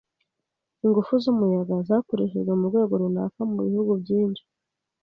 Ingufu zumuyaga zakoreshejwe murwego runaka mubihugu byinshi.